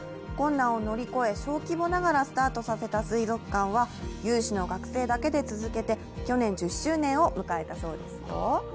困難を乗り越え小規模ながらスタートさせた水族館は、有志の学生だけで続けて、去年１０周年を迎えたそうですよ。